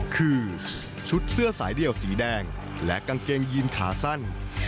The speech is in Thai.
คือชุดเสื้อสายเดี่ยวสีแดงและกางเกงยีนขาสั้น